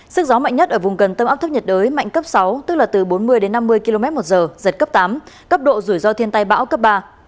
sức gió mạnh nhất ở vùng gần tâm áp thấp nhiệt đới mạnh cấp sáu tức là từ bốn mươi đến năm mươi km một giờ giật cấp tám cấp độ rủi ro thiên tai bão cấp ba